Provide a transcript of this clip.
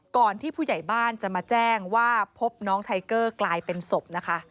ที่ผู้ใหญ่บ้านจะมาแจ้งว่าพบน้องไทเกอร์กลายเป็นศพนะคะ